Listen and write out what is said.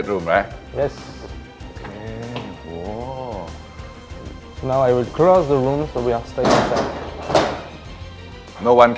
ตรงนั้นมีห้องหัวหลักเราต้องเจอกัน